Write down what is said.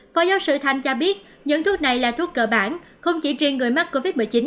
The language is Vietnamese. phó giáo sư thanh cho biết những thuốc này là thuốc cơ bản không chỉ riêng người mắc covid một mươi chín